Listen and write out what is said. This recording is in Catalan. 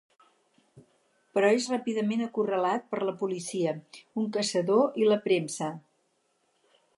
Però és ràpidament acorralat per la policia, un caçador i la premsa.